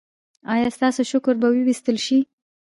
ایا ستاسو شکر به وویستل شي؟